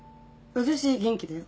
私元気だよ。